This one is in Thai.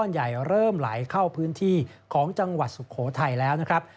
ใหญ่เริ่มไหลเข้าพื้นที่ของจังหวัดสุโขทัยแล้วนะครับ